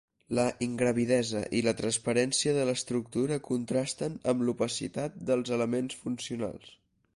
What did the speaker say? La ingravidesa i la transparència de l'estructura contrasten amb l'opacitat dels elements funcionals.